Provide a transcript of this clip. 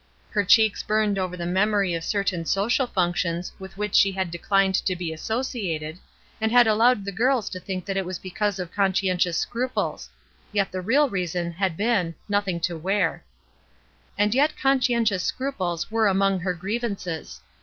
Her cheeks burned over the memory of certain social functions with which she had declined to be associated and had allowed the girls to think it was because of conscientious scruples; yet the real reason had been, nothing to wear. And yet conscientious scruples were among her grievances.